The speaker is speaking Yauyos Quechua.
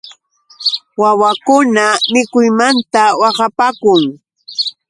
Wawakuna mikuymanta waqapaakun.